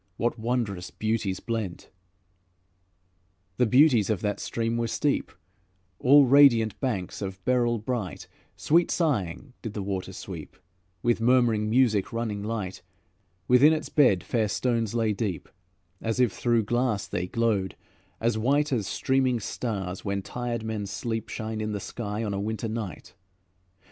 what wondrous beauties blent! The beauties of that stream were steep, All radiant banks of beryl bright; Sweet sighing did the water sweep, With murmuring music running light; Within its bed fair stones lay deep; As if through glass they glowed, as white As streaming stars when tired men sleep Shine in the sky on a winter night.